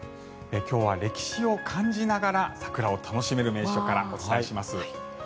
今日は歴史を感じながら桜を楽しめる名所からお伝えします。